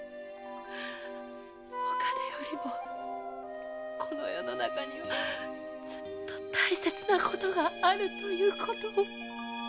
お金よりもこの世の中にはずっと大切なことがあることを。